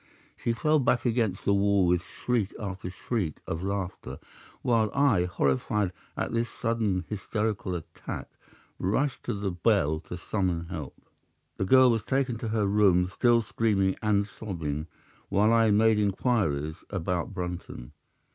She fell back against the wall with shriek after shriek of laughter, while I, horrified at this sudden hysterical attack, rushed to the bell to summon help. The girl was taken to her room, still screaming and sobbing, while I made inquiries about Brunton.